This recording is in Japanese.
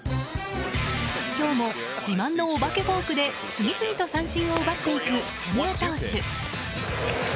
今日も自慢のお化けフォークで次々と三振を奪っていく千賀投手。